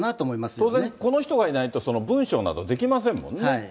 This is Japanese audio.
当然、この人がいないと文書など出来ませんもんね。